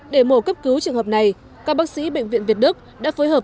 để mổ cấp cứu trường hợp này các bác sĩ bệnh viện việt đức đã phối hợp